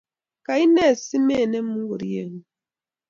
Kaine asimenemu ngoriengung?